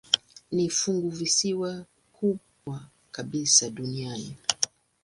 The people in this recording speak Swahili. Ni funguvisiwa kubwa kabisa duniani.